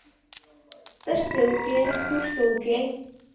— Тыште — уке, тушто — уке!